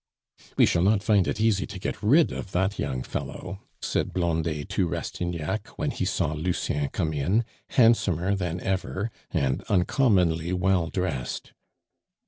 "We shall not find it easy to get rid of that young fellow," said Blondet to Rastignac, when he saw Lucien come in handsomer than ever, and uncommonly well dressed.